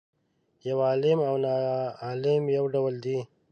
یو عالم او ناعالم یو ډول دي.